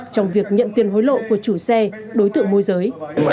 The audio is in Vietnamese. trong việc nhận tiền hối lộ của chủ xe đối tượng môi giới